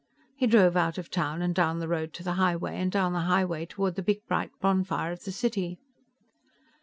He drove out of town and down the road to the highway, and down the highway toward the big bright bonfire of the city.